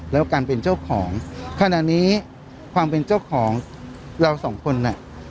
แล้วการเป็นเจ้าของขณะนี้ความเป็นเจ้าของเราสองคนน่ะ